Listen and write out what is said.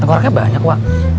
tenggoraknya banyak wak